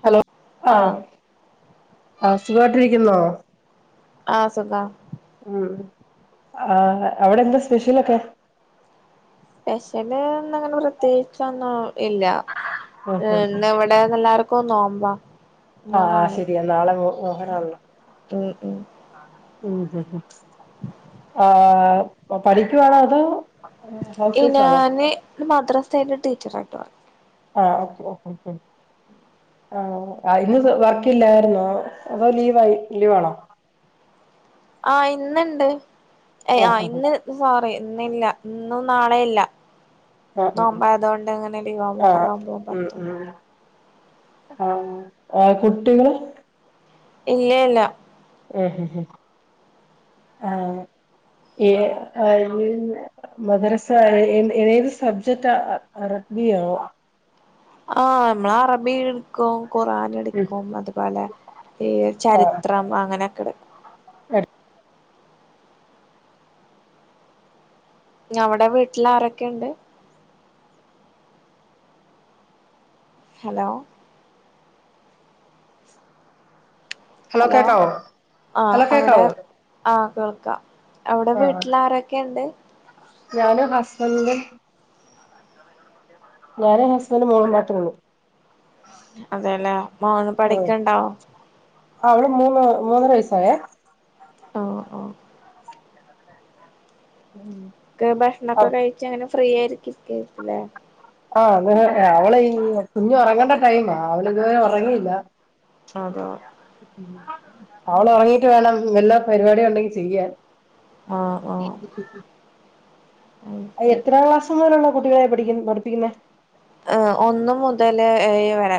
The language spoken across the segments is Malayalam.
ഹലോ ആ ആ സുഖായിട്ടിരിക്കുന്നോ ആ സുഖം ഉം ആ അവിടെ എന്താ സ്പെഷ്യലൊക്കെ സ്പെഷ്യൽ ഇന്നങ്ങനെ പ്രത്യേകിച്ച ഒന്നും ഇല്ല ആഹ് ഇന്ന് ഇവിടെന്നാല്ലർക്കും കൊ നോമ്പ ആഹ ശെരിയ നാളെ മു മുഹറമല്ലേ ഉം ഉം ഉം ഉം ആ പഠിക്കുവാണോ അതോ ഹൗസ് ഈ വൈഫ് ആണോ ഞാന് മദ്രാസയില് ടീച്ചറായിട്ട് വർക്ക് ആഹ് ഓക്കെ ഓക്കെ മ്മ് മ്മ് ആഹ് ഇന്ന് വർക്കല്ലായിരുന്നോ അതോ ലീവായി ലീവ് ആണോ? ആഹ് ഇന്ന് ഇണ്ട് ഏഹ് ആഹ് ഇന്ന് സോറി ഇന്നില്ല. ഇന്നും നാളെയും ഇല്ല. ആഹ് ആഹ് ആഹ് നോമ്പായതുകൊണ്ട് അങ്ങനെ ലീവാവുന്നെ ആഹ് ആഹ് ഹറാ പോവും ഉം പത്തും ഉം ആഹ് ആഹ് കുട്ടികള് ഇല്ല ഏല. മ്മ് ഹ് ഹ് ഹ് ആഹ്. ഏഹ് എയ് മദ്രസ ഏഹ് ഏത് സബ്ജക്റ്റ അറബ് ബിയാവോ. ആഹ് അമ്മളറബി ട്ക്കും. ഖുർആനിട്ക്കും അത്പോലെ ഈ ആ ചരിത്രം അങ്ങനെക്കെട്ക്കും. [unintelligible] ഞവടെ വീട്ടിലാരെക്കെണ്ട്? ഹലോ ഹലോ ഹലോ കേക്കാവോ ആഹ് അവടെ ആ വീട്ടിലാരൊക്കെണ്ട്? ഞാനും ഹസ്ബൻഡും ഞാനും ഹസ്ബൻഡും മോളും മാത്രൊള്ളു. അതെല്ലേ മോള് ആ പഠിക്ക്ണ്ടോ? അവള് മൂന്ന് മൂന്നര വയസ്സായേ ഉം ഉം ക്ക് ഭക്ഷണൊക്കെ കഴിച്ച് അങ്ങനെ ഫ്രീയായ് ര്ക്കിര്ക്കെയ്ക്കുലേ. ആഹ് ത് അവളെ ഈ കുഞ്ഞ് ഒറങ്ങേണ്ട ടൈമാ അവള് ഇത് വരെ ഒറങ്ങില്ല. അതോ അവള് ഒറങ്ങീട്ട് വേണം വല്ല പരിവടി യുണ്ടെങ്കി ചെയ്യാൻ ആഹ് ആഹ് അത് ശരി എത്രാം ക്ലാസ് മുതലുള്ള കുട്ടികളെ പഠിക്ക് ൻ പഠിപ്പിക്കുന്നെ? ഏഹ് ഒന്ന് മുതല് ഏഴു വരെ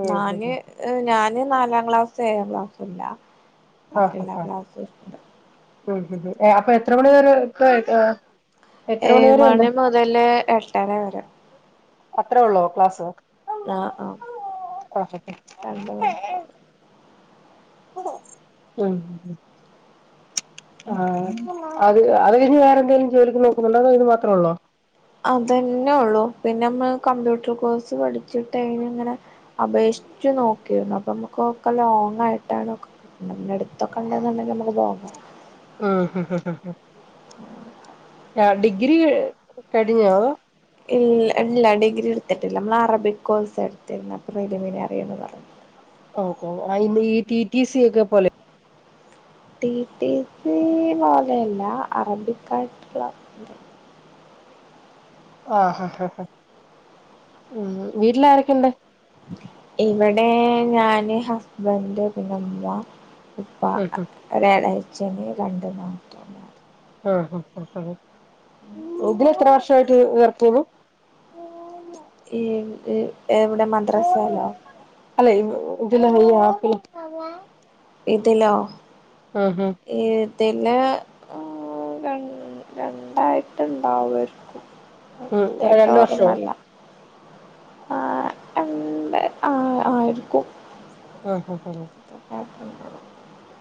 ഉം ഞാന് ഉം ഏഹ് ഞാൻ ഞാന് നാലാം ക്ലാസും ഏഴാം ക്ലാസുല്ല ആ ബാക്കി എല്ലാ ആ ക്ലാസ്സുണ്ട്. ഉം ഹ്ഹ് അപ്പൊ എത്ര മണി വരെ [unintelligible] ഏഹ് ഏഴു മണി മുതല് എട്ടര വരെ അത്രേ ഒള്ളോ ക്ലാസ് ആഹ് ആഹ് ആ രണ്ട് മണിക്കൂറ്. ആം ഹ് ഹ് ആഹ് അത് അത് കഴിഞ്ഞ് വേറെ എന്തേലും ജോലിക്ക് നോക്കുന്നുണ്ടോ അതോ ഇത് മാത്രേ ഒള്ളോ? അതന്നെ ഒള്ളു പിന്നെ നമ്മള് കമ്പ്യൂട്ടർ കോഴ്സ് പഠിച്ചിട്ട് അയിന് ഇങ്ങനെ അപേഷ് ച്ചു നോക്കീരുന്നു അപ്പൊമ്മക്കൊക്കെ ലോങ് ആയിട്ടാണ് ഒക്കെ കിട്ട്ണത്ങ്ങട് ത്തൊക്കെ ഇണ്ട്ന്ന്ണ്ടെങ്കി നമുക്ക് പോകാ. അഹാ യാ ഡിഗ്രി കഴിഞ്ഞോ അതോ ഇൽ ഇല്ല ഡിഗ്രി ഇട്ത്തിട്ടില്ല ഇമ്മളാ അറബിക് കോഴ്‌സാ എടുത്തിരുന്നെ പ്രിലിമിനറീന്ന് പറ [inaudible] ഓഹ് കോ അയ്ൻ്റെ ഈ ടി ടി സി ഒക്കെ പോലെ ടി ടി സി പോലെയല്ല അറബിക്കായിട്ട്ള്ള ആഹ് ഹ ഹ ഹ ഉം വീട്ടില് ആരൊക്കെണ്ട്? ഇവടെ ഞാന് ഹസ്ബെൻഡ് പിന്നെമ്മ ഉപ്പ ഉം ഉം ഒരെളേച്ചന് രണ്ട് നാത്തൂന്മാര്. ആഹ് ആഹ് ആഹ് ഇതില് ഇത്ര വർഷായിട്ട് വെർക്കെയ്നി? ഏത്? അല്ലെയ്‌ ഇജ്ജ് ഇന്ന് പോവോ ഇതിലോ? ആഹ് ആഹ് ഇതില് രണ് രണ്ടായിട്ട്ണ്ടാവൊയിരിക്കും. ഉം കൃത്യാട്ട് രണ്ട് വർഷോ ഓർമ്മല്ല. ആ അല്ല ആ ആയിരുക്കും. ആ ഹ, ഹ, ഹ [inaudible]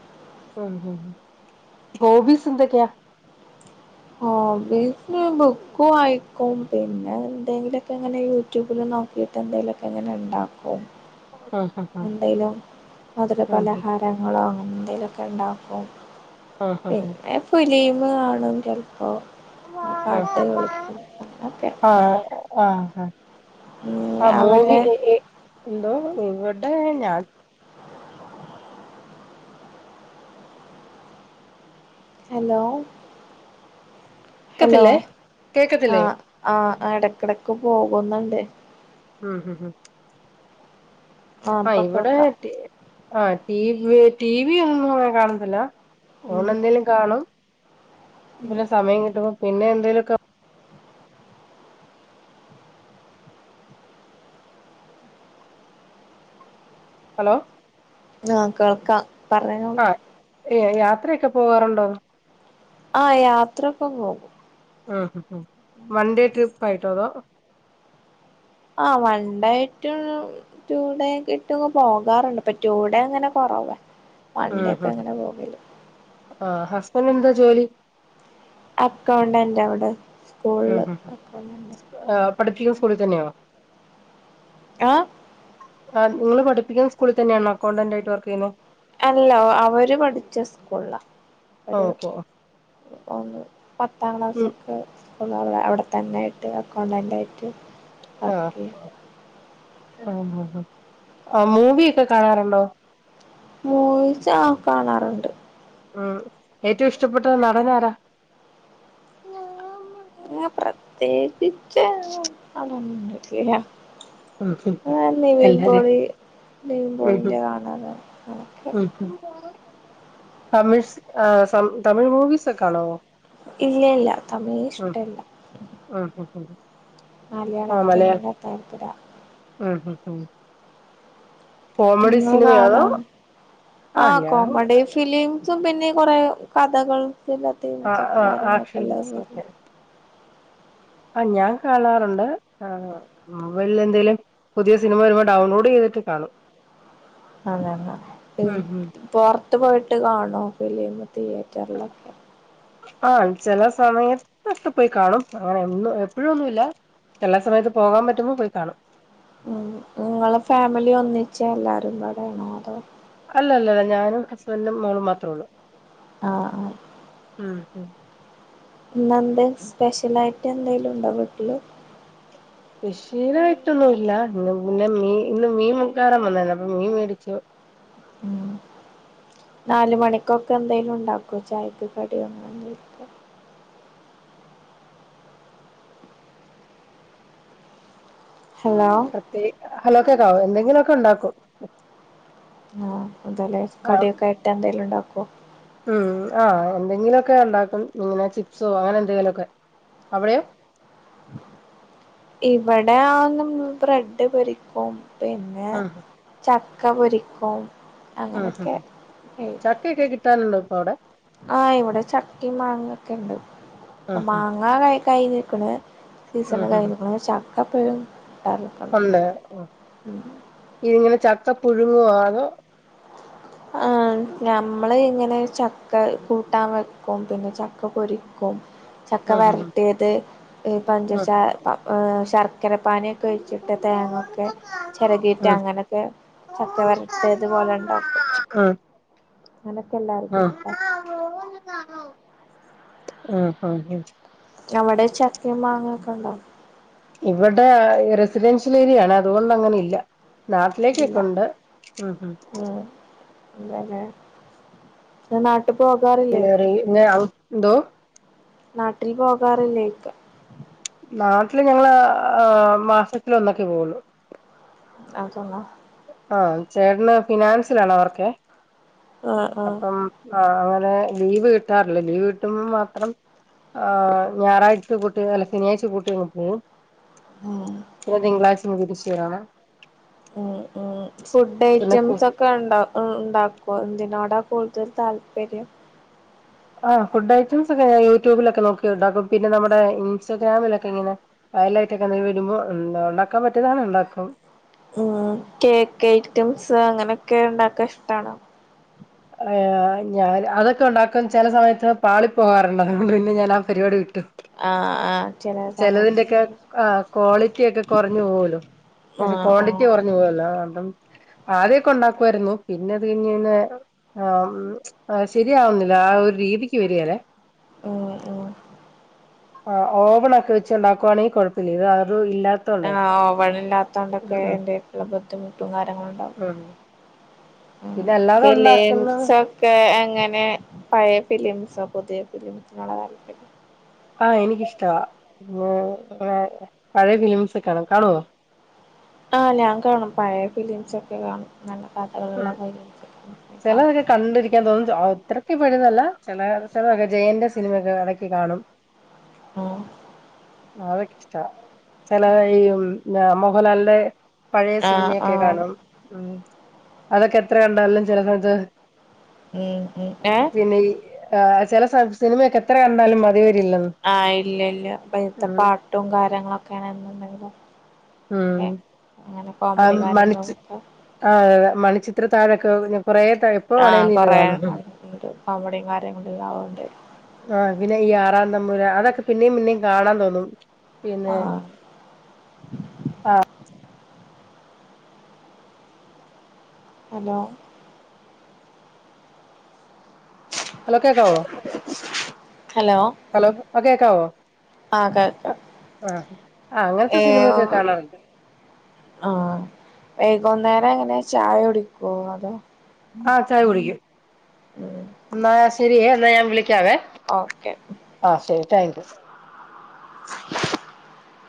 ഹോബിസ് എന്തൊക്കെയ? ആഹ് ഹോബീസ് ബുക്കും വായിക്കും പിന്നെ എന്തേങ്കിലൊക്കെങ്ങനെ യൂട്യൂബില് നോക്കിയിട്ട് എന്തെലൊക്കെ ഇങ്ങനെഇണ്ടാക്കും. ആഹ് ഹ ഹ എന്തേലും ആഹ് ഹ മധുരപലഹാരങ്ങളോ അങ്ങനെന്തേലൊക്കെ ഇണ്ടാക്കും. ആഹ് ഹ ഹ പിന്നെ ഫിലീമ് കാണും ചെൽപ്പോ ആഹ്, അങ്ങനൊക്കെ ആഹ് ആഹ് ആഹ് മൂവി അവിടെ ഇ, ഇ എന്തോ ഇവടെ ഞാൻ ഹലോ, ഹലോ കേക്കത്തില്ലേ കേക്കത്തില്ലേ ആഹ്, ആഹ് ആഹ് ഇടയ്ക്കിടക്ക് പോകുന്നുണ്ട് ഉം ഉം ഉം ആഹ് ഇപ്പൊ ഇവിടെ കേൾക്കാം ആഹ് ടി വി ടി വി ഒന്നും കാണത്തില്ല ഉം ഓണെന്തേലും കാണോ വെലെ സമയം കിട്ടുമ്പോ പിന്നെ എന്തേലുക്കെ ഹലോ ആഹ് കേൾക്കാം പറയാനോ ആഹ് ഏഹ് യാത്രയൊക്കെ പോകാറുണ്ടോ ആഹ് യാത്രൊക്കെ പോകും ഉം ആഹ് ഉം വൺ ഡേ ട്രിപ്പ് ആയിട്ടോ അതോ ആ്ഹ് വണ്ടായിട്ടും ടു ഡേക്കെ ഇട്ടുംങ് പോകാറുണ്ട്പ്പൊ ടു ഡേ അങ്ങനെ കുറവേ ഉം ഉം ആഹ് ഹ ഹസ്ബന്റ് എന്താ ജോലി അക്കൗണ്ടന്റ് അവിടെ ഉം സ്കൂളില് ഉം അക്കൗണ്ടന്റ് ആഹ് പഠിപ്പിക്കുന്ന സ്കൂളിൽ തന്നെയോ ആഹ് ആഹ് നിങ്ങള് പഠിപ്പിക്കുന്ന സ്കൂളിൽ തന്നെയണ അക്കൗണ്ടന്റ് ആയിട്ട് വർക്ക് ചെയ്യുന്നത് അല്ല അവര് പഠിച്ച സ്കൂള ഒരു ഓക്കെ ഒന്ന് പത്താം ക്ലാസ്സ് ഉം ഒക്കെ [unintelligible] അവിടെ തന്നൊയിട്ട് അക്കൗണ്ടൻറ് ആയിട്ട് വർക്കെയ്യ ആഹ് ആഹ് ആഹ് ആഹ് മൂവി ഒക്കെ കാണാറുണ്ടോ മോയിച്ച് ആഹ് കാണാറുണ്ട് ഉം ഏറ്റവും ഇഷ്ടപ്പെട്ട നടൻ നാരാ ങ പ്രത്യേ [unintelligible] [unintelligible] അഹ് എല്ലാരേം നിവിൽപോളി ഉം ഉം നിവിൻപോളിന്റെ കാണാന അതൊക്കെ ഉം ഉം തമിഴ് സ് തമിഴ് മൂവിസ് ഒക്കെ കണ്ണോ ഇല്ല ഇല്ല തമേയ് ഇഷ്ടല്ല ഉം ഉം ഉം മലയാളത്തിനോട് താല്പര ആഹ് ഹഹ ഇന്ന് കാണാണ് ആഹ് കോമഡി ഫിലിം ത്തും പിന്നെ കൊറേ കഥകൾ എല്ലാത്തിം ച്ചൊ ആഹ് ആഹ് കാര്യങ്ങളൊക്കെ ആക്ഷൻ എല്ല [inaudible] ആ ഞാൻ കാണാറുണ്ട് ആ മൊബൈലിൽ എന്തേലും പുതിയ സിനിമ വരുമ്പോ ഡൗൺലോഡ് ചെയ്ത.. തിട്ട് കണും അത പുറത്ത് പോയിട്ട് കാണോ ഫിലിമു തിയർട്ടറിളൊക്കെ ആ ചെല സമയത്തൊക്കെ പോയി കാണും ആ അന്നും എപ്പോഴൊന്നുല്ല എല്ലാ സമയത്ത് പോകാൻ പറ്റുമ്പോ പോയി കാണും ഉം നിങ്ങള് ഫാമിലി ഒന്നിച്ചേ എല്ലാരും കൂടെയണോ അതോ അല്ല അല്ല അല്ല ഞാനും ഹസ്ബൻഡും മോളും മാത്രേ ഉള്ളു ആ ആ ആ ആ ഇന്നെന്ത സ്പെഷ്യലായിട്ട് എന്തോലും ഉണ്ടോ വീട്ടില് സ്പെഷ്യൽ ആയിട്ട് ഒന്നുമില്ല ഇന്ന് പിന്നെ മീ ഇന്ന് മീൻക്കാരൻ വന്നാരുന്നു അപ്പൊ മീൻ മേടിച്ചു [inaudible] നാല് മണിക്കൊക്കെ എന്തെലും ഉണ്ടാക്കോ ചായക്ക് കടി.. ഹലോ പ്രത്യേക ഹലോ കേൾക്കാവോ എന്തെങ്കിലുമൊക്കെ ഉണ്ടാക്കോ ആഹ അതലെ കടിയൊക്കെ ഇട്ട് എന്തെലും ഉണ്ടാക്കോ ഉം ആ് എന്തെങ്കിലുമൊക്കെ ഉണ്ടാക്കും ഇങ്ങനെ ചിപ്സോ അങ്ങനെ എന്തെങ്കിലും ഒക്കെ അവിടെയോ ഇവിടെ ആ ബ്രെഡ് പൊരിക്കും പിന്നെ ഉം ച്ച ചക്ക പൊരിക്കും ഉം ഉം അങ്ങനെയൊക്കെ ചക്കയൊക്കെ കിട്ടാനുണ്ടോ ഇപ്പൊ അവിടെ ആ ഇവിടെ ചക്കയും മാങ്ങ ഒക്കെ ഉണ്ട് അപ്പൊ ഉം ഉം മാങ്ങ കഴിഞ്ഞ്ക്കണ് സീസൺ ഉം ഉം കഴിഞ്ഞിക്ണ് ചക്കപ്പഴം ഉണ്ട് ഇതിങ്ങനെ ചത്ത പുഴുങ്ങു അ തോ [inaudible] നമ്മൾ ഇങ്ങനെ ചക്ക കൂട്ടാൻ വെക്കും പിന്നെ ചക്ക പൊരിക്കും ചക്ക ഉം ഉം വരട്ടിയത് പഞ്ച ഉം ശർ.. ചക്കര പാനി യൊക്കെ ഒഴിച്ചിട്ട് തേങ്ങൊക്കെ ചിരകിയിട്ട് ഉം അങ്ങനെയൊക്കെ ചക്ക വരട്ട് ഇതുപോലെണ്ടാവും ആ നിനക്കെല്ലാർക്കും ഇഷ്ടം ആഹ ആഹ ആഹ ഇവിടെ ചക്കയും മാങ്ങൊക്കെ ഉണ്ടാവും ഇവിടെ റെസിഡൻഷ്യൽ ഏരിയാണ് അതുകൊണ്ട് അങ്ങനെ ഇല്ല ഇല്ല നാട്ടിലേക്കൊക്കെുണ്ട് ഉം ഉം നനാ പിന്നെറി എന്തോ നാട്ടിൽ പോകാറില്ലേ ഇക്ക നാട്ടില് ഞങ്ങള് ആ മാസത്തില ഒന്നൊക്കെ പോവുള്ളു അതന്ന ആഹ ചേട്ടന്ന് ഫിനാൻസിലാണോ വർക് ആഹ് ആഹ് അപ്പം ആ അങ്ങനെ ലീവ് കിട്ടാറില്ല ലീവ് കിട്ടുമ്പോ മാത്രം ആ ഞായറാഴ്ച കൂട്ടി അല്ല ശനിയാഴ്ച കൂട്ടിട്ടും ഉം ഇ തിങ്കളാഴ്ച.... ഉ ഉ ഫുഡ് പിന്നെ കു ഐറ്റംസ് ഒക്കെ ഉണ്ട ഉണ്ടാക്കും എന്തിനോടാ കൂടുതൽ താല്പര്യം? ആ് ഫുഡ് ഐറ്റംസ് ഒക്കെ യൂട്യൂബിലൊക്കെ നോക്കിയുണ്ടാക്കും പിന്നെ നമ്മുടെ ഇൻസ്റ്റാഗ്രാമിലൊക്കെ ഇങ്ങനെ വയറലായിട്ടൊക്കെ എന്തെങ്ക വരുമ്പോ ഉണ്ടാക്കാൻ പറ്റിയതാണ് ഉണ്ടാക്കും ഉം കേക്ക് ഐറ്റംസ് അങ്ങനെയൊക്കെ ഉണ്ടാക്കാൻ ഇഷ്ട്ടാണോ ആ ഞാ അതക്കെ ഉണ്ടാക്കും ചില സമയത്ത് പാളി പോകാറുണ്ട് അതുകൊണ്ട് പിന്നെ ഞാൻ ആ പരിപാടി വിട്ട ആഹ ആ ചെിലതിന്റെയക്കെ ആ ക്വാളിറ്റി ഒക്കെ കുറഞ്ഞു പോവലോ െ ആഹ് ക്വാണ്ടിറ്റി ആഹ് കുറഞ്ഞു പോവല്ലോ കും ആദ്യമൊക്കെ ഉണ്ടാക്കുവായിരുന്നു പിന്നെ അത് കഴിഞ്ഞ്ഞ കഴിഞ്ഞ ആഹ ശരിയാവുന്നില്ല ആ ഒരു രീതിക്ക് വരില്ലേ [unintelligible] ആ ഓവൺ ഒക്കെ വെച്ച്ണ്ടാക്കുവാണെങ്കിൽ കുഴപ്പില്ല ആ വഴ ഇില്ലാത്ത ഉം കൊണ്ടൊക്കെ എന്റെറക്കുള്ള ഉം ബുദ്ധിമുട്ടും കാര്യങ്ങള ഉണ്ടാാവും ഉം പിന്നെ അല്ലാതെ ഉണ്ടാക്കുന്നത് ഫിലിംസ് ഒക്കെ എങ്ങനെ പഴയ ഫിലിംസ്ക്കെ പുതിയ പുരുമത്തിനുള്ള താല്പര്യം ആഹ് എനിക്കിഷ്ടവാ പിന്നെ പഴയ ഫിലിംസ് ഒക്കൊണ് കാണുവോ ആഹ ഞാൻ കാണും പഴയ ഫിലിംസ് ഒക്കെ കാണും നല്ല ഉം കാട്ടകല്ല പോ അത്രക്ക് പെരുന്നല്ല ചില ചിലൊക്കെ ജയന്റെ സിനിമക്കെ ഇടക്ക് കാണും ആ അതൊക്കെ ഇഷ്ട ചില ഈ മോഹൻലാലിന്റെ പഴയ ആഹ് സിനിമയൊക്കെ ആഹ് കാണും ഉ അതൊക്കെ എത്ര കണ്ടാലും ചെിലത് ഉം ഉം ഏ പിന്നെ ഈ ആ ചില സിനിമയൊക്കെ എത്ര കണ്ടാലും അതിവ ആഹ് ഇല്ല ഇല്ല ഇപ്പ ഇഴത്തെ ഉം പാട്ടും കാര്യങ്ങളൊക്കെയാണ്ണ്ടെങ്കിലും അങ്ങനെ ആ മണിിച്ച കാര്യങ്ങളുമൊക്കെ ആ മണിച്ചിത്ര താഴൊക്കെ ആഹ കൊറേ കണ്ട് കോമഡിയും കാര്യങ്ങളണ്ട്ാവണ്ട് ആഹ പിന്നെ ഈ ആറാം തമ്മൂര അതൊക്കെ പിന്നെയും പിന്നേും കാണാൻ തോന്നും പിന്നെ ആഹ് ആഹ ഹലോ ഹലോ കേക്കാവോ ഹലോ ഹലോ ആ കേക്കാവോ ആഹ് കേൾക്കാം ആഹ ആ അങ്ങനത്തെ സിനിമയൊക്കെ കാണാറുണ്ട് ആ വൈകുന്നേരം അങ്ങനെ ചായ കുടിക്കുവോ അതോ ആഹ ചായ കുടിക്കും ഉം എന്നാ ശരിയ എന്നാ ഞാൻ വിള ഓക്കെ ആ ശരി താങ്ക് യു [unintelligible]